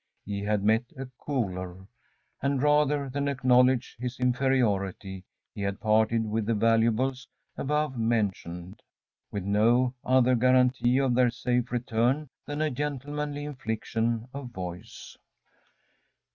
He had met a cooler, and rather than acknowledge his inferiority he had parted with the valuables above mentioned, with no other guarantee of their safe return than a gentlemanly inflection of voice.